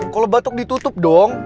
kalo batuk ditutup dong